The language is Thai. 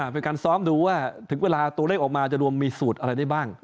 เป็นการซ้อมดูว่าถึงเวลาตัวเลขออกมาจะรวมมีสูตรอะไรได้บ้าง